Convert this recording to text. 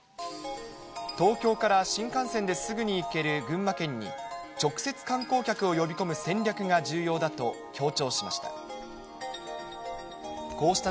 東京から新幹線ですぐに行ける群馬県に、直接観光客を呼び込む戦略が重要だと強調しました。